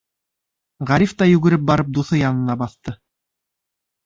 Ғариф та йүгереп барып дуҫы янына баҫты.